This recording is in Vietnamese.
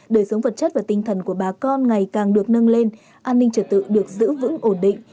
đời sống vật chất và tinh thần của bà con ngày càng được nâng lên an ninh trở tự được giữ vững ổn định